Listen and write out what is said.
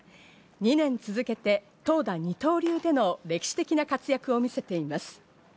２年続けて投打二刀流での歴史的な活躍を見せています。